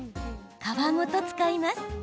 皮ごと使います。